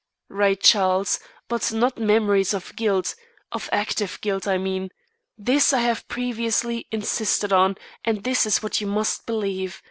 "Right, Charles; but not memories of guilt of active guilt, I mean. This I have previously insisted on, and this is what you must believe.